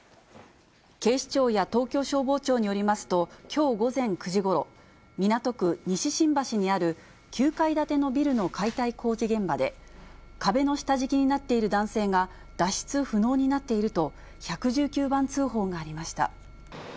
警視庁や東京消防庁によりますと、きょう午前９時ごろ、港区西新橋にある９階建てのビルの解体工事現場で、壁の下敷きになっている男性が、脱出不能になっていると１１９番通報がありました。